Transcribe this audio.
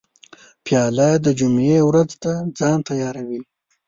پیاله د جمعې ورځو ته ځان تیاروي.